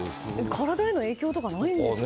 体への影響とかないんですかね。